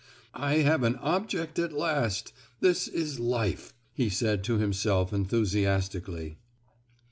"I have an object at last! this is Life!" he said to himself enthusiastically.